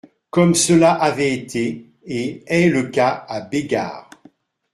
Comme cela avait été et est le cas à Bégard.